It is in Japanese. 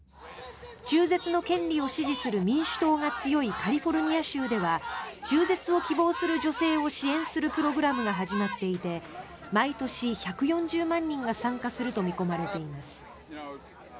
中絶の権利を支持する民主党が強いカリフォルニア州では中絶を希望する女性を支援するプログラムが始まっていて毎年１４０万人が参加すると見込まれています。